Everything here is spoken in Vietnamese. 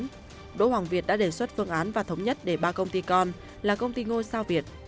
trước đó đỗ hoàng việt đã đề xuất phương án và thống nhất để ba công ty con là công ty ngôi sao việt